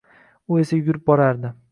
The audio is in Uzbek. U esa yugurib borardi.